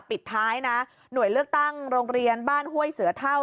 ปิดท้ายนะหน่วยเลือกตั้งโรงเรียนบ้านห้วยเสือเท่า